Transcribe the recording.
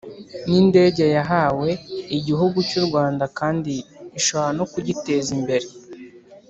ni indege yahawe igihugu cy u Rwanda kandi ishobora no kugiteza imbere